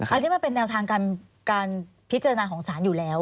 อันนี้มันเป็นแนวทางการพิจารณาของศาลอยู่แล้ว